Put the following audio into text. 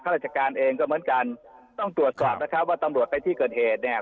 ราชการเองก็เหมือนกันต้องตรวจสอบนะครับว่าตำรวจไปที่เกิดเหตุเนี่ย